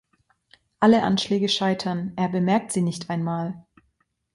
Alle Anschläge scheitern, er bemerkt sie nicht einmal.